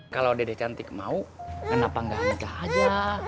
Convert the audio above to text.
kalau dede cantik mau kenapa nggak ambil kah aja